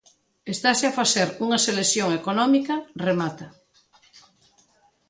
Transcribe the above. "Estase a facer unha selección económica", remata.